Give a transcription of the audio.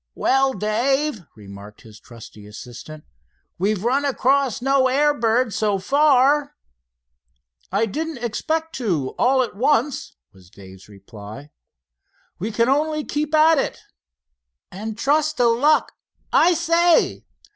"Well, Dave," remarked his trusty assistant, "we've run across no air bird so far." "I didn't expect to, all at once," was Dave's reply. "We can only keep at it." "And trust to luck I say!"